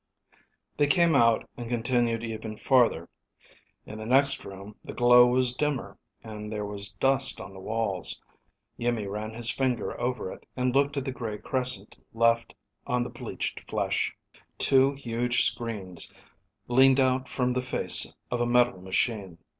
They came out and continued even farther. In the next room the glow was dimmer, and there was dust on the walls. Iimmi ran his finger over it and looked at the gray crescent left on the bleached flesh. Two huge screens leaned out from the face of a metal machine.